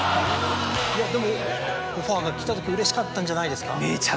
でもオファーが来た時うれしかったんじゃないですか？